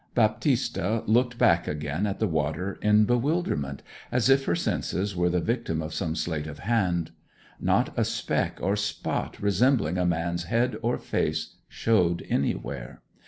Baptista looked back again at the water in bewilderment, as if her senses were the victim of some sleight of hand. Not a speck or spot resembling a man's head or face showed anywhere.